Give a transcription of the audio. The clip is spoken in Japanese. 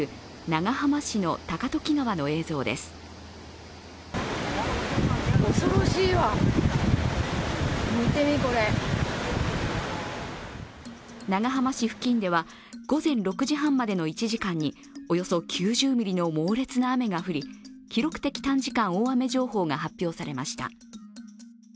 長浜市付近では、午前６時半までの１時間におよそ９０ミリの猛烈な雨が降り記録的短時間大雨情報が発表されました。